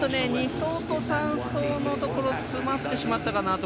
２走と３走のところ詰まってしまったかなと。